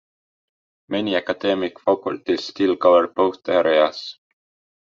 Many academic faculties still cover both areas.